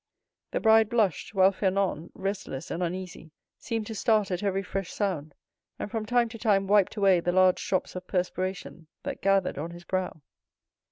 The bride blushed, while Fernand, restless and uneasy, seemed to start at every fresh sound, and from time to time wiped away the large drops of perspiration that gathered on his brow.